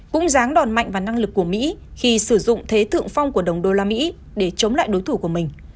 cũng ráng đòn mạnh vào năng lực của mỹ khi sử dụng thế thượng phong của đồng đô la mỹ để chống lại đối thủ của mình